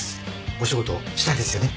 お仕事したいですよね？